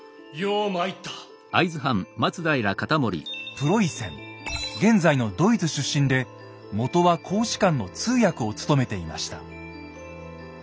プロイセン現在のドイツ出身でもとは公使館の通訳を務めていました。